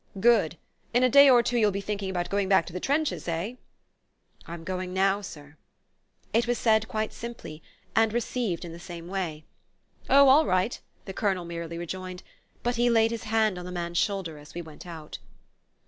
"Good. In a day or two you'll be thinking about going back to the trenches, eh?" "I'm going now, sir." It was said quite simply, and received in the same way. "Oh, all right," the Colonel merely rejoined; but he laid his hand on the man's shoulder as we went out.